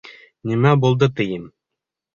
Нимә булды, тием?